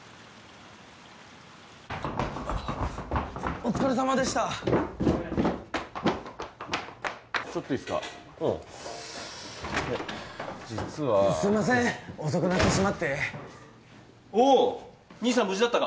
お疲れさまでしたちょっといいっすかうんいや実はすいません遅くなってしまっておお兄さん無事だったか？